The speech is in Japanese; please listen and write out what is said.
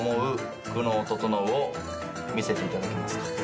久能整を見せていただけますか。